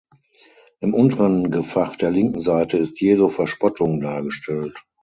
Im unteren Gefach der linken Seite ist Jesu Verspottung dargestellt.